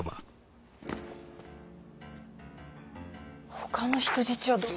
他の人質はどこ？